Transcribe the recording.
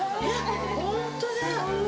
本当だ。